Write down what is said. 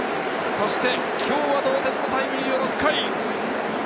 そして、今日は同点タイムリーの６回。